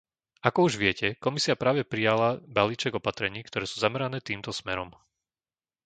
Ako už viete, Komisia práve priala balíček opatrení, ktoré sú zamerané týmto smerom.